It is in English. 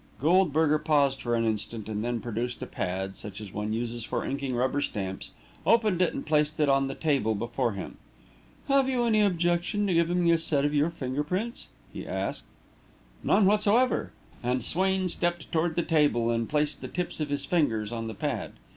Goldberger paused for an instant, and then produced a pad, such as one uses for inking rubber stamps, opened it and placed it on the table before him. "Have you any objection to giving me a set of your finger prints?" he asked. "None whatever," and Swain stepped toward the table and placed the tips of his fingers on the pad.